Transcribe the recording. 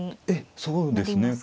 ええそうですね。